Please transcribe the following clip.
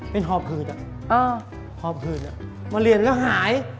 เป็นหอบขืนอ่ะมาเรียนแล้วหาย